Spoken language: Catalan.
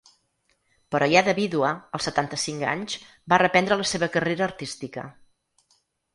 Però ja de vídua, als setanta-cinc anys, va reprendre la seva carrera artística.